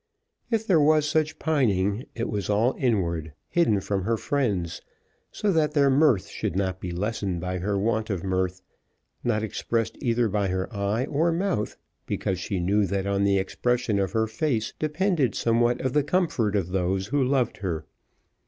If there was such pining, it was all inward, hidden from her friends so that their mirth should not be lessened by her want of mirth, not expressed either by her eye or mouth because she knew that on the expression of her face depended somewhat of the comfort of those who loved her.